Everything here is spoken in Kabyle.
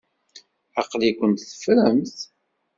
Aql-ikent teffremt.